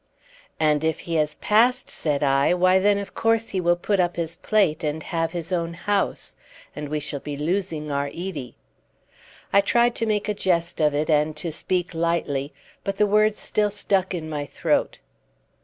"And if he has passed," said I, "why, then of course he will put up his plate and have his own house, and we shall be losing our Edie." I tried to make a jest of it and to speak lightly, but the words still stuck in my throat.